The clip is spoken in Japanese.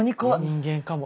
人間かも。